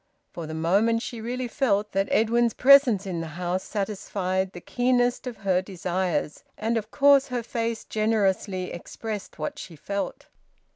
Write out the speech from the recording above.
For the moment she really felt that Edwin's presence in the house satisfied the keenest of her desires, and of course her face generously expressed what she felt.